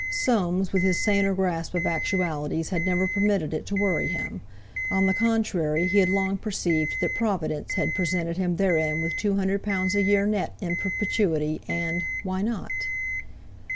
Soames, with his saner grasp of actualities, had never permitted it to worry him; on the contrary, he had long perceived that Providence had presented him therein with £200 a year net in perpetuity, and—why not?